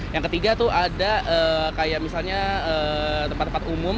yang ketiga tuh ada kayak misalnya tempat tempat umum